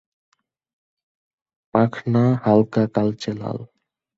পাখনা হালকা কালচে লাল।